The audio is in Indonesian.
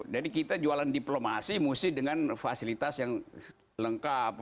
jadi kita jualan diplomasi mesti dengan fasilitas yang lengkap